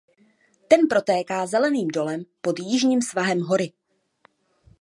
Ten protéká Zeleným dolem pod jižním svahem hory.